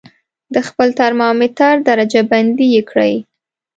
د خپل ترمامتر درجه بندي یې کړئ.